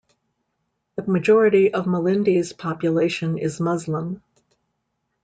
The majority of Malindi's population is Muslim.